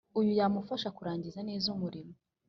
Uyu yamufasha kurangiza neza umurimo